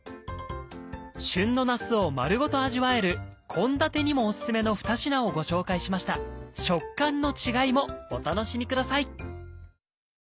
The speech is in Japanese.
旬のなすを丸ごと味わえる献立にもオススメの２品をご紹介しました食感の違いもお楽しみください